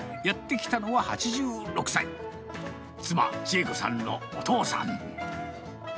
やって来たのは、８６歳、妻、千恵子さんのお父さん。